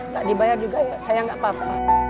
tak dibayar juga ya saya nggak apa apa